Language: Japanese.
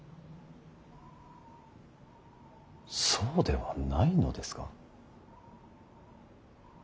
そうではないのですか。